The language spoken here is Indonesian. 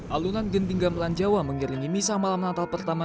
alunan genting gamelan jawa mengiringi misa malam natal pertama